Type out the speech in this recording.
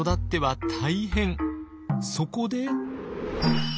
そこで。